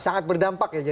sangat berdampak ya